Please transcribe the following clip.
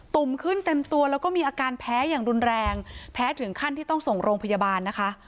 ุ่มขึ้นเต็มตัวแล้วก็มีอาการแพ้อย่างรุนแรงแพ้ถึงขั้นที่ต้องส่งโรงพยาบาลนะคะ